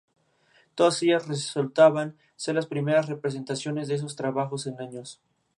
Todas ellas resultaban ser las primeras representaciones de esos trabajos en años.